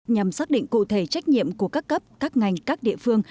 nhằm xác định cụ thể trách nhiệm của các cấp các ngành các địa phương